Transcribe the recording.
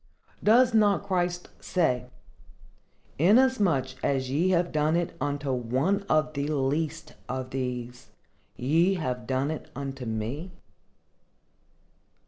Does not Christ say, "Inasmuch as ye have done it unto one of the least of these, ye have done it unto me"?